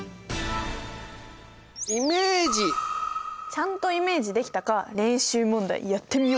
ちゃんとイメージできたか練習問題やってみよう！